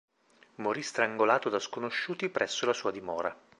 Morì strangolato da sconosciuti presso la sua dimora.